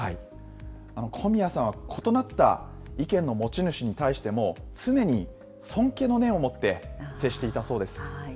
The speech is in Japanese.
小宮さんは異なった意見の持ち主に対しても、常に尊敬の念をもって接していたそうです。